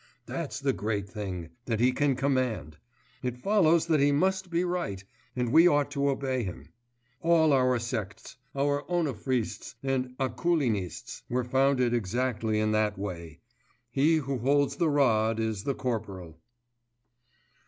That's the great thing, that he can command; it follows that he must be right, and we ought to obey him. All our sects, our Onuphrists and Akulinists, were founded exactly in that way. He who holds the rod is the corporal.